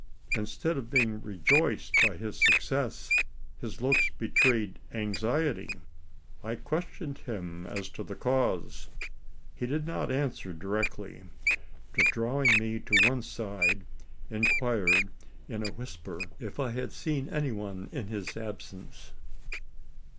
Instead of being rejoiced at his success, his looks betrayed anxiety! I questioned him as to the cause. He did not answer directly; but, drawing me to one side, inquired in a whisper, if I had seen any one in his absence.